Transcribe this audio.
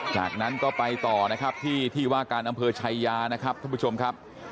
จากนั้นก็ไปต่อนะครับที่ที่ว่าการอำเภอชายานะครับท่านผู้ชมครับ